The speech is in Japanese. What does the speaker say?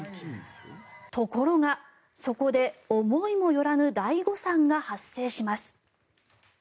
ところが、そこで思いもよらぬ大誤算が発生します。